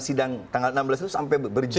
sidang tanggal enam belas itu sampai berjam jam